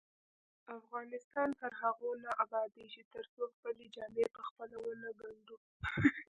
افغانستان تر هغو نه ابادیږي، ترڅو خپلې جامې پخپله ونه ګنډو.